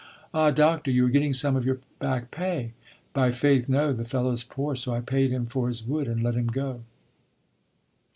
"Ah, doctor! you are getting some of your back pay." "By faith! no; the fellow is poor, so I paid him for his wood, and let him go."